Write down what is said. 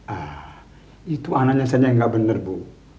ah itu anaknya saya yang enggak benar bu